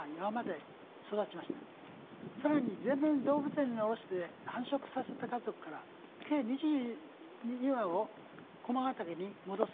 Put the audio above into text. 更に前年動物園に降ろして繁殖させた家族から計２２羽を駒ヶ岳に戻すことができました。